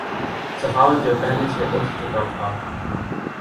سخاوت جو پہلے سے اٹھ چکا تھا